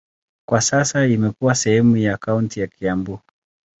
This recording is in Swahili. Kwa sasa imekuwa sehemu ya kaunti ya Kiambu.